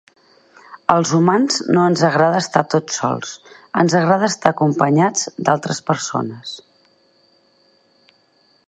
Als humans no ens agrada estar tots sols, ens agrada estar acompanyats d'altres persones.